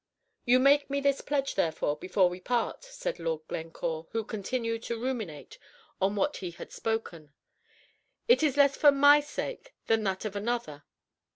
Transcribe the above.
"You make me this pledge, therefore, before we part," said Lord Glencore, who continued to ruminate on what he had spoken. "It is less for my sake than that of another."